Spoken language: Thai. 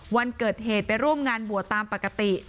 วันเกิดเหตุไปร่วมงานบวชตามปกติ